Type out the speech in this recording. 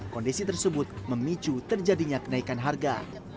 kondisi tersebut memicu terjadinya kenaikan harga